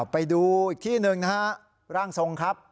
ไปดูอีกที่หนึ่งนะฮะร่างทรงครับ